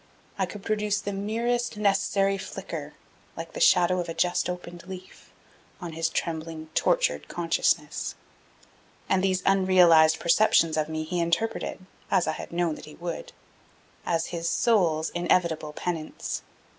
I could produce the merest necessary flicker, like the shadow of a just opened leaf, on his trembling, tortured consciousness. And these unrealized perceptions of me he interpreted, as I had known that he would, as his soul's inevitable penance.